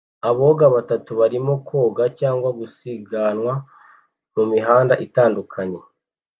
Aboga batatu barimo koga cyangwa gusiganwa mumihanda itandukanye